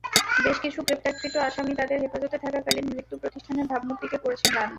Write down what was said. বেশ কিছু গ্রেপ্তারকৃত আসামির তাদের হেফাজতে থাকাকালীন মৃত্যু প্রতিষ্ঠানের ভাবমূর্তিকে করেছে ম্লান।